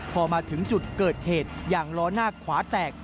พอมาถึงจุดเกิดเหตุอย่างล้อหน้าขวาแตก